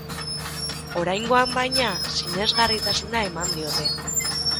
Oraingoan, baina, sinesgarritasuna eman diote.